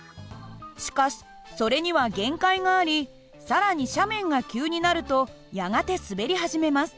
しかしそれには限界があり更に斜面が急になるとやがて滑り始めます。